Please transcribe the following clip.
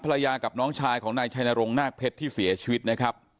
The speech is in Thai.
ภรรยากับน้องชายของนายชัยนรงนาคเพชรที่เสียชีวิตนะครับ